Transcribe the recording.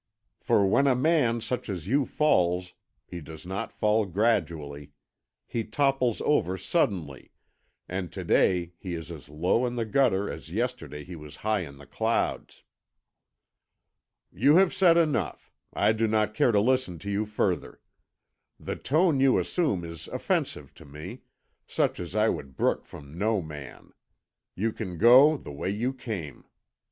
For when a man such as you falls, he does not fall gradually. He topples over suddenly, and to day he is as low in the gutter as yesterday he was high in the clouds." "You have said enough. I do not care to listen to you further. The tone you assume is offensive to me such as I would brook from no man. You can go the way you came."